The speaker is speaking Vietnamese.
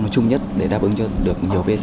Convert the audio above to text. nói chung nhất để đáp ứng cho được nhiều bên